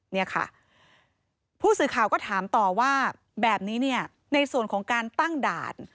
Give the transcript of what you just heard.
เนี่ยค่ะผู้สื่อข่าวก็ถามต่อว่าแบบนี้เนี่ยในส่วนของการตั้งด่าน